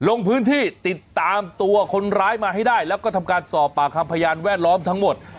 ลงพื้นที่ติดตามตัวคนร้ายมาให้ได้แล้วก็ทำการสอบปากคำพยานแวดล้อมทั้งหมด